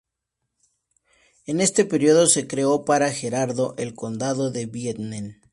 En este periodo se creó para Gerardo el condado de Vienne.